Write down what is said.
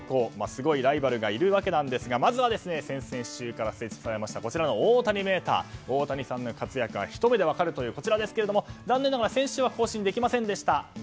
すごいライバルがいるわけなんですがまずは先々週から設置されましたこちらの大谷メーター大谷さんの活躍がひと目で分かるというこちらですが、残念ながら先週は更新できませんでした。